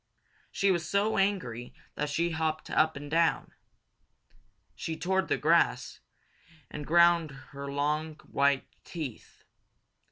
She was so angry that she hopped up and down. She tore up the grass and ground her long, white teeth.